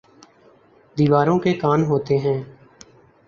دیواروں کے کان ہوتے ہیں